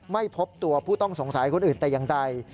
ไม่พบตัวผู้ต้องสงสัยคนอื่นแต่อย่างใด